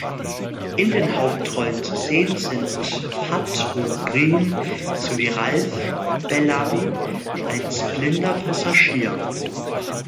In den Hauptrollen zu sehen sind Pat O’Brien sowie Ralph Bellamy als blinder Passagier.